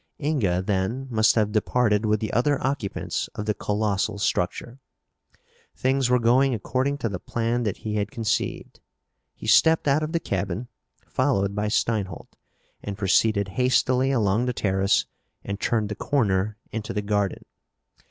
Inga, then, must have departed with the other occupants of the colossal structure. Things were going according to the plan that he had conceived. He stepped out of the cabin, followed by Steinholt, and proceeded hastily along the terrace and turned the corner into the garden.